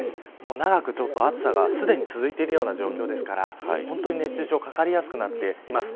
長く暑さが、すでに続いているような状況ですから本当に熱中症かかりやすくなっています。